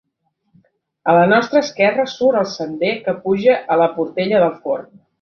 A la nostra esquerra surt el sender que puja a la Portella del Forn.